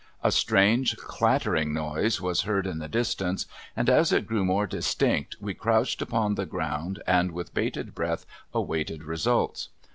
A strange clattering noise was heard in the distance, and as it grew more distinct we crouched upon the ground and with bated breath awaited results.